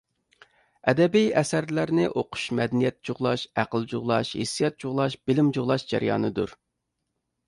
ئەدەبىي ئەسەرلەرنى ئوقۇش مەدەنىيەت جۇغلاش، ئەقىل جۇغلاش، ھېسسىيات جۇغلاش، بىلىم جۇغلاش جەريانىدۇر.